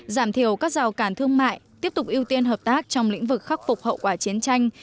giảm thiểu các rào cản thương mại tiếp tục ưu tiên hợp tác trong lĩnh vực khắc phục hậu quả chiến tranh